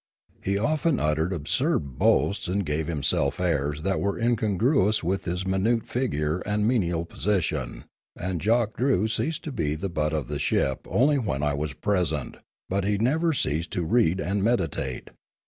He often uttered absurd boasts and gave himself airs that were incongruous with his minute figure and menial position, and Jock Drew ceased to be the butt of the ship only when I was present; but he never ceased to read and meditate.